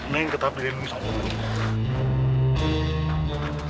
neng tetap dirindungi sama om dudung